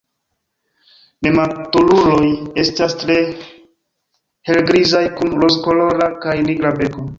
Nematuruloj estas tre helgrizaj kun rozkolora kaj nigra beko.